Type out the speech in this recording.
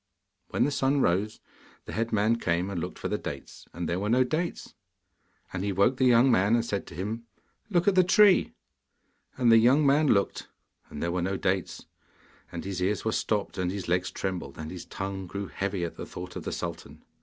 When the sun rose, the head man came and looked for the dates, and there were no dates. And he woke the young man, and said to him, 'Look at the tree.' And the young man looked, and there were no dates. And his ears were stopped, and his legs trembled, and his tongue grew heavy at the thought of the sultan.